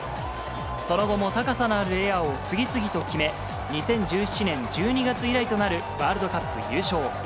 その後も高さのあるエアを次々と決め、２０１７年１２月以来となるワールドカップ優勝。